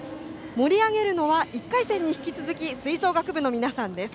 盛り上げるのは１回戦に引き続き吹奏楽部の皆さんです。